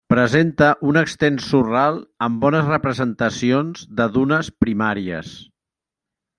Presenta un extens sorral amb bones representacions de dunes primàries.